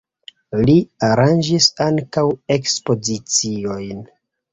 Li aranĝis ankaŭ ekspoziciojn.